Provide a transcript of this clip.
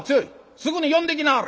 すぐに呼んできなはれ」。